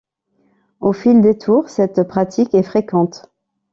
Au fil des tours, cette pratique est fréquente.